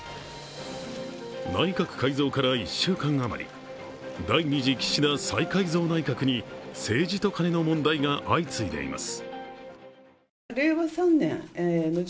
内閣改造から１週間余り、第２次岸田再改造内閣に政治と金のカネの問題が相次いでいます。